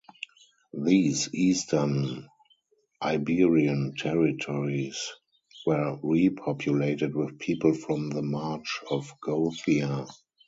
These eastern Iberian territories were repopulated with people from the March of Gothia.